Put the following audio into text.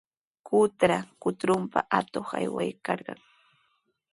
Qutra kutrunpa atuq aywaykarqan.